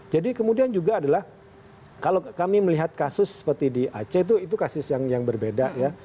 jadi kemudian juga adalah kalau kami melihat kasus seperti di aceh itu kasus yang berbeda ya